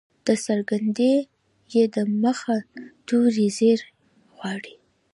د څرګندي ي د مخه توری زير غواړي.